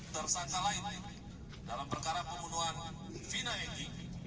tersangka lain dalam perkara pembunuhan vina edi